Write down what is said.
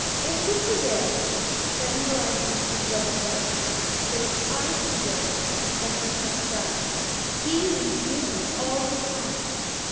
If he prevail, then will I be his wedded wife; but if I prevail, then must he die, he and you and all his comrades."